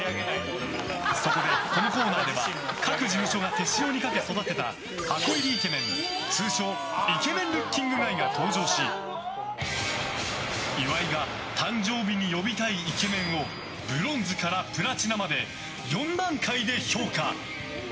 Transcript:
そこで、このコーナーでは各事務所が手塩にかけて育てた箱入りイケメン、通称イケメン・ルッキング・ガイが登場し岩井が誕生日に呼びたいイケメンをブロンズからプラチナまで４段階で評価。